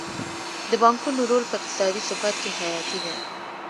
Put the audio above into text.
د بانکونو رول په اقتصادي ثبات کې حیاتي دی.